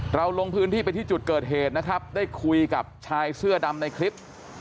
ลงพื้นที่ไปที่จุดเกิดเหตุนะครับได้คุยกับชายเสื้อดำในคลิป